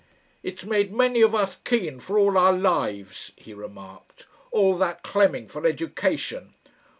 "It's made many of us keen for all our lives," he remarked, "all that clemming for education.